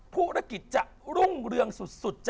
ผู้ละกิจจะรุ่งเรืองสุด